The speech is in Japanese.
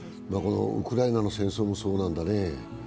ウクライナの戦争もそうなんだね。